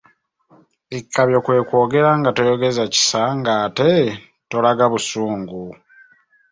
Ekkabyo kwe kwogera nga toyogeza kisa nga ate tolaga busungu.